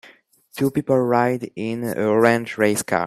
Two people ride in a orange race car.